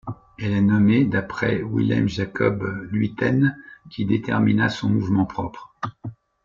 Elle est nommée d'après Willem Jacob Luyten, qui détermina son mouvement propre.